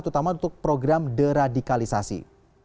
terutama untuk program deradikalisasi